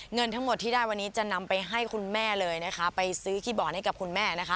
เงินทั้งหมดที่ได้วันนี้จะนำไปให้คุณแม่เลยนะคะไปซื้อคีย์บอร์ดให้กับคุณแม่นะคะ